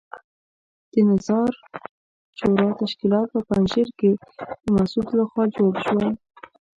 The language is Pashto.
د نظار شورا تشکیلات په پنجشیر کې د مسعود لخوا جوړ شول.